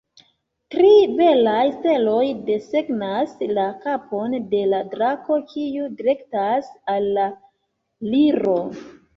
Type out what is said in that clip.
Tri belaj steloj desegnas la kapon de la drako, kiu direktas al la Liro.